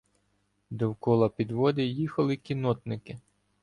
Довкола підводи їхали кіннотники.